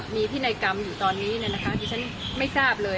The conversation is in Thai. มีพินัยกรรมอยู่ตอนนี้เนี่ยนะคะที่ฉันไม่ทราบเลย